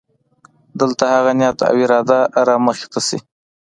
دلته هغه نیت او اراده رامخې ته شي.